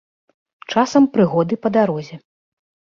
Часам прыгоды па дарозе.